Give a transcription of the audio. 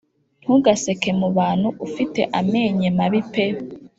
Ntugaseke mubantu ufite amenye mabi pe